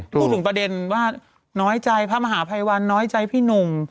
พูดถึงประเด็นว่าน้อยใจพระมหาภัยวันน้อยใจพี่หนุ่ม